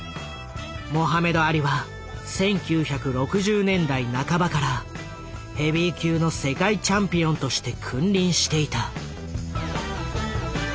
モハメド・アリは１９６０年代半ばからヘビー級の世界チャンピオンとして君臨していた。